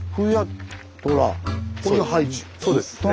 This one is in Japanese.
そうです。